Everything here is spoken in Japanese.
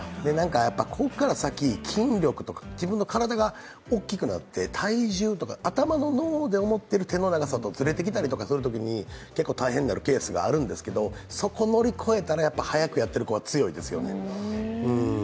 ここから先、筋力とか自分の体が大きくなって体重とか頭の脳で思ってる手の長さとずれてきたりするときに結構大変になるケースがあるんですけど、そこを乗り越えたら早くやっている子は強いですよね。